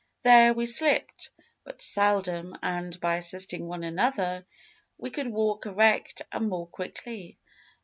There we slipped but seldom, and by assisting one another, we could walk erect and more quickly.